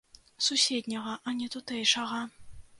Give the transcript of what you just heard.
Суседняга, а не тутэйшага.